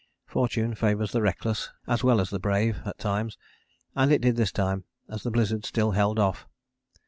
Fortune favours the reckless, as well as the brave, at times, and it did this time, as the blizzard still held off.